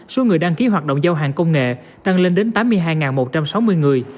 số người đăng ký hoạt động giao hàng công nghệ tăng lên đến tám mươi hai một trăm sáu mươi người